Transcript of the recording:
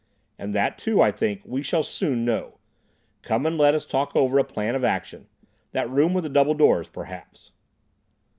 "And that, too, I think, we shall soon know. Come and let us talk over a plan of action—that room with the double doors, perhaps."